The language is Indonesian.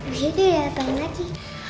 abis itu dia dateng lagi